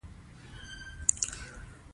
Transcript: بامیان د افغانستان د اقلیم ځانګړتیا ده.